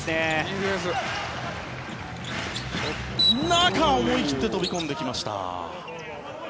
中、思い切って飛び込んできました。